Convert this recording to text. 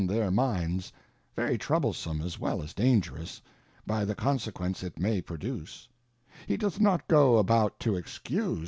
tkeir Minds, very troublesonie as .j«ell as dangerous, by the Conse quence it may produce: he doth not go about to excuse.